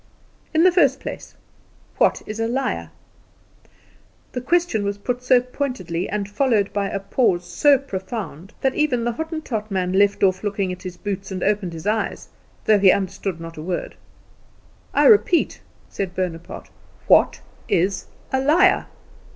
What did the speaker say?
"In the first place: What is a liar?" The question was put so pointedly, and followed by a pause so profound, that even the Hottentot man left off looking at his boots and opened his eyes, though he understood not a word. "I repeat," said Bonaparte, "what is a liar?"